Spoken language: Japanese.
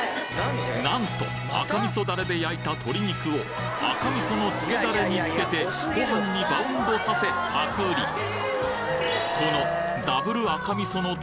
なんと赤味噌ダレで焼いた鶏肉を赤味噌のつけダレに付けてご飯にバウンドさせパクリこのダブル赤味噌の鶏